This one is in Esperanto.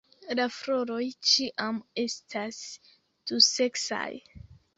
La floroj ĉiam estas duseksaj.